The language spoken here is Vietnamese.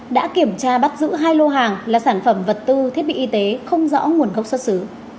đã kiểm tra bắt giữ hai lô hàng là sản phẩm vật tư thiết bị y tế không rõ nguồn gốc xuất xứ